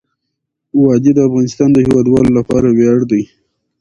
وادي د افغانستان د هیوادوالو لپاره ویاړ دی.